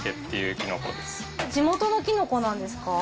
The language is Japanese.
地元のキノコなんですか？